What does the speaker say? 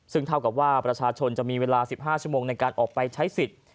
ซึ่งเท่ากับว่าประชาชนจะมีเวลา๑๕ชั่วโมงในการออกไปใช้สิทธิ์